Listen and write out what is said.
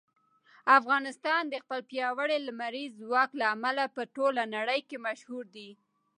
افغانستان د خپل پیاوړي لمریز ځواک له امله په ټوله نړۍ کې مشهور دی.